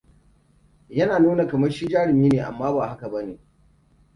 Yana nuna kamar shi jarumi ne, amma ba haka bane.